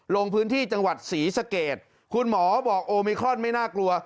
ลงพื้นที่จังหวัดศรีสะเกดคุณหมอบอกโอมิครอนไม่น่ากลัว